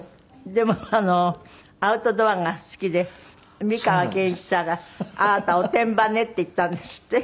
でもアウトドアが好きで美川憲一さんが「あなたおてんばね」って言ったんですって？